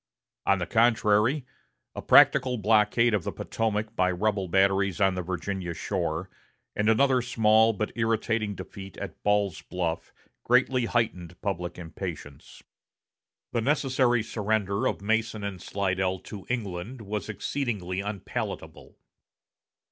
On the contrary, a practical blockade of the Potomac by rebel batteries on the Virginia shore, and another small but irritating defeat at Ball's Bluff, greatly heightened public impatience. The necessary surrender of Mason and Slidell to England was exceedingly unpalatable.